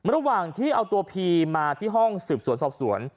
ระหว่างที่เอาตัวพีมาที่ห้องสืบสวนสอบสวน